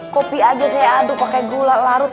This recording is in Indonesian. kopi aja saya aduk pakai gula larut